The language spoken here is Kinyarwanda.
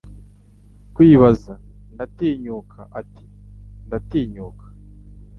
Kwibaza, "Ndatinyuka?" ati: "Ndatinyuka?"